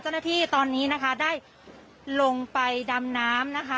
เจ้าหน้าที่ตอนนี้นะคะได้ลงไปดำน้ำนะคะ